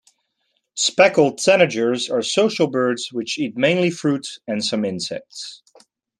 Speckled tanagers are social birds which eat mainly fruit and some insects.